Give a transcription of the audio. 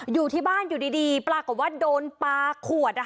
อยู่ที่บ้านอยู่ดีปรากฏว่าโดนปลาขวด